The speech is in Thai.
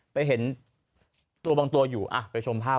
จะ็งพวกองคนไปชมภาพ